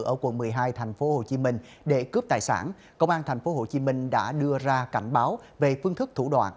ở quận một mươi hai tp hcm để cướp tài sản công an tp hcm đã đưa ra cảnh báo về phương thức thủ đoạn